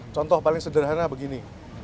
contoh paling sederhana begini